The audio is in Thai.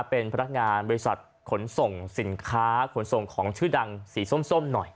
เป็นพนักงานบริษัทขนส่งสินค้าขนส่งของชื่อดังสีส้มหน่อย